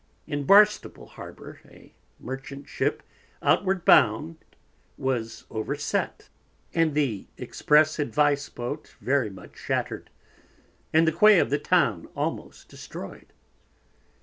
In Barstable Harbour, a Merchant Ship outward bound was over set, and the express advice Boat very much shatter'd, and the Quay of the Town almost destroy'd.